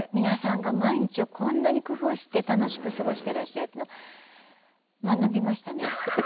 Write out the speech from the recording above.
皆さんが毎日をこんなに工夫して楽しく過ごしてらっしゃるって学びましたね。